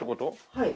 はい。